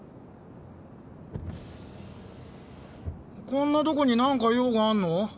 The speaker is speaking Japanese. こんなとこに何か用があんの？